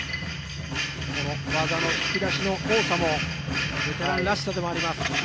この技の引き出しの多さも、ベテランらしさでもあります。